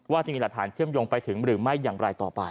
จะมีหลักฐานเชื่อมโยงไปถึงหรือไม่อย่างไรต่อไป